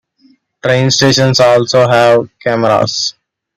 Train stations also have cameras.